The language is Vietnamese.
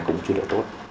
cũng chưa được tốt